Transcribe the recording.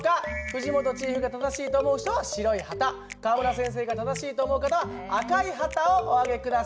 藤本チーフが正しいと思う人は白い旗川村先生が正しいと思う方は赤い旗をお上げ下さい。